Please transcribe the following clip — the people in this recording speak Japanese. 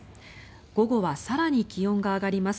午後は更に気温が上がります。